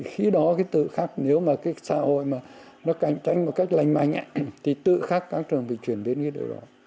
khi đó nếu mà xã hội canh tranh một cách lành mạnh thì tự khắc các trường bị chuyển đến như thế đó